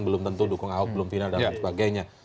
belum tentu dukung auk belum pina dan sebagainya